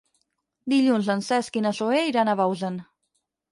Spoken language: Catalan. Dilluns en Cesc i na Zoè iran a Bausen.